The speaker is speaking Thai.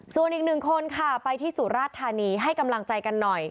ส่วนอีกหนึ่งคนค่ะไปที่สุราชธานีให้กำลังใจกันหน่อย